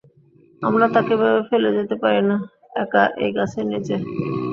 আমরা তাকে এভাবে ফেলে যেতে পারিনা, একা এই গাছের নিচে।